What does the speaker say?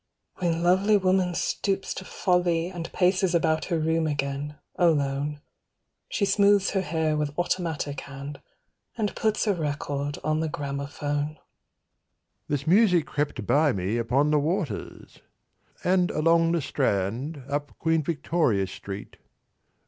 When lovely woman stoops to folly and Paces about her room again, alone, She smooths her hair with automatic hand, And puts a record on the gramophone. "This music crept by me upon the waters" And along the Strand, up Queen Victoria Street.